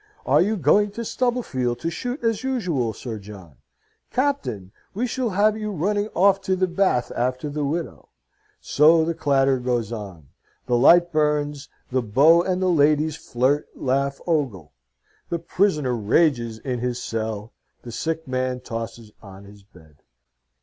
Are you going to Stubblefield to shoot as usual, Sir John? Captain, we shall have you running off to the Bath after the widow! So the clatter goes on; the lights burns; the beaux and the ladies flirt, laugh, ogle; the prisoner rages in his cell; the sick man tosses on his bed.